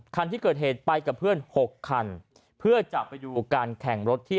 คันที่เกิดเหตุไปกับเพื่อนหกคันเพื่อจะไปดูการแข่งรถที่